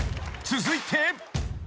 ［続いて］